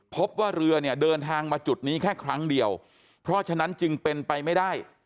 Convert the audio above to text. พบว่าเรือเนี่ยเดินทางมาจุดนี้แค่ครั้งเดียวเพราะฉะนั้นจึงเป็นไปไม่ได้